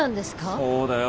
そうだよ。